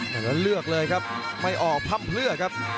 แล้วเลือกเลยครับไม่ออกพับเลือกครับ